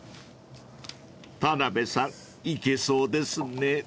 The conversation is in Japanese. ［田辺さんいけそうですね］